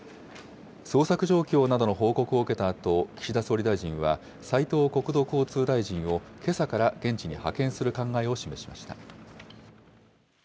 捜索状況などの報告を受けたあと、岸田総理大臣は、斉藤国土交通大臣をけさから現地に派遣する考えを示しました。